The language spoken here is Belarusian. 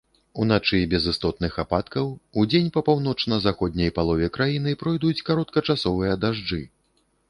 Уначы без істотных ападкаў, удзень па паўночна-заходняй палове краіны пройдуць кароткачасовыя дажджы.